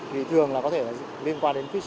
vì thường có thể liên quan đến phí sinh